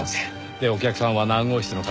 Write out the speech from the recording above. でお客さんは何号室の方。